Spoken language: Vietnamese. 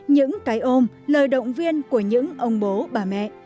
những cái ôm lời động viên của những ông bố bà mẹ